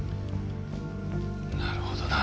なるほどな。